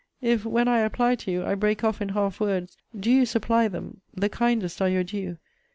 If, when I apply to you, I break off in half words, do you supply them the kindest are your due.